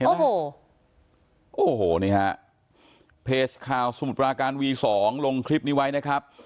โอ้โหโอ้โหนี่ฮะเพจข่าวสมุทรปราการวีสองลงคลิปนี้ไว้นะครับ